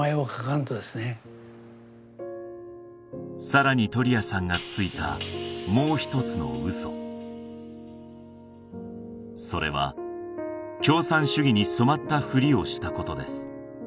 さらに鳥谷さんがついたもう一つの嘘それは共産主義に染まったふりをしたことです